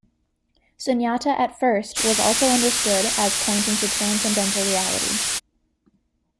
Sunyata at first was also understood as pointing to transcendental reality.